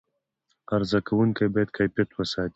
عرضه کوونکي باید کیفیت وساتي.